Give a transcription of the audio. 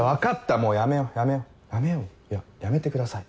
もうやめようやめようやめようよやめてください。